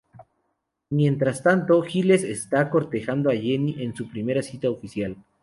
Mientras tanto Giles está cortejando a Jenny en su primera cita oficial.